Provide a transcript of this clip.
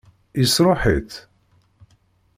Yesṛuḥ-itt?